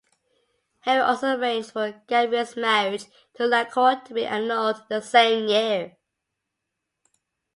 Henry also arranged for Gabrielle's marriage to Liancourt to be annulled the same year.